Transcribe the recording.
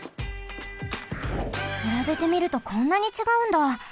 くらべてみるとこんなにちがうんだ。